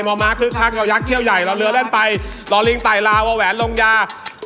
รอมาครึ่งคลักรอยักษ์เที่ยวใหญ่รอเรือเล่นไปรอลิงไต่ราวาวแหวนลงยา